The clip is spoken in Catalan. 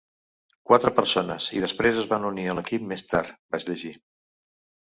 Quatre persones i després es van unir a l'equip més tard vaig llegir.